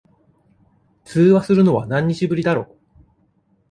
通話するの、何日ぶりだろ。